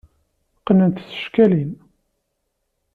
Qqnen-t s tcekkalin.